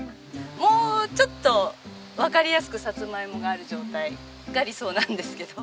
もうちょっとわかりやすくサツマイモがある状態が理想なんですけど。